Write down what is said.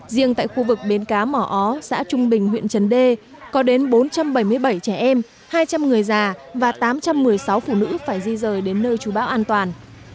riêng tại khu vực bến cá mỏ ó xã trung bình huyện trần đề có đến bốn trăm bảy mươi bảy trẻ em hai trăm linh người già và tám trăm một mươi sáu phụ nữ phải di rời đến nơi chú bão an toàn